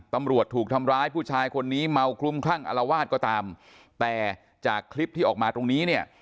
ถูกทำร้ายผู้ชายคนนี้เมาคลุมคลั่งอารวาสก็ตามแต่จากคลิปที่ออกมาตรงนี้เนี่ย